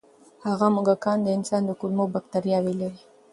هغه موږکان د انسان د کولمو بکتریاوې لري.